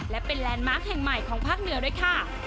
และเป็นแลนด์มาร์คแห่งใหม่ของภาคเหนือด้วยค่ะ